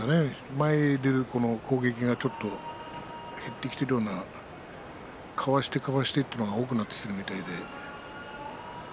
前に出る攻撃が減ってきているようなかわしてかわしていくというのが多くなってきているようで。